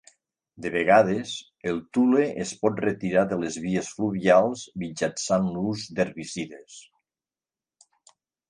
De vegades, el tule es pot retirar de les vies fluvials mitjançant l'ús d'herbicides.